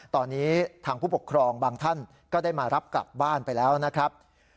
ตอนนี้ทางผู้ปกครองบางท่านก็ได้มารับกลับบ้านไปแล้วนะครับ